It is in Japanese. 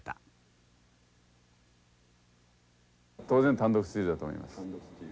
当然単独スチールだと思います。